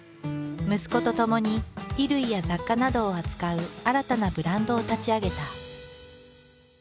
息子とともに衣類や雑貨などを扱う新たなブランドを立ち上げた。